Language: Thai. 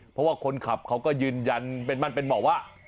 เพราะว่าคนขับเขาก็ยืนยันเป็นมั่นเป็นหมอว่า